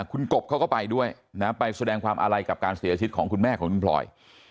คุณกบเขาก็ไปด้วยนะไปแสดงความอาลัยกับการเสียชีวิตของคุณแม่ของคุณพลอย